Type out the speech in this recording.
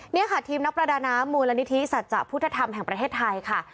นี่ค่ะทีมนักประดาน้ำมูลนิธิสัจจะพุทธธรรมแห่งประเทศไทยค่ะ